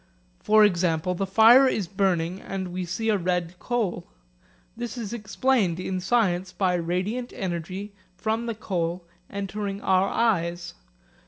For example, the fire is burning and we see a red coal. This is explained in science by radiant energy from the coal entering our eyes.